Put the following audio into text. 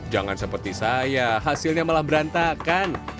jangan seperti saya hasilnya malah berantakan